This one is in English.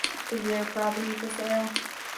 Is there a property for sale?